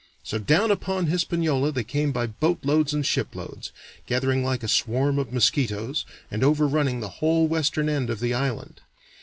So down upon Hispaniola they came by boatloads and shiploads, gathering like a swarm of mosquitoes, and overrunning the whole western end of the island.